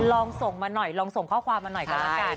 ลองส่งมาหน่อยลองส่งข้อความมาหน่อยกันแล้วกัน